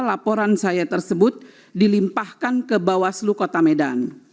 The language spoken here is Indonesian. laporan saya tersebut dilimpahkan ke bawaslu kota medan